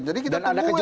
jadi kita tungguin nih